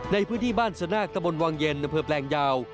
ในพื้นที่บ้านสนาคตะบนวังเย็นอำเภอแปลงยาว